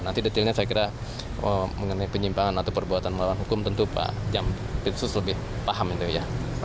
nanti detailnya saya kira mengenai penyimpangan atau perbuatan melawan hukum tentu pak jam pinsus lebih paham itu ya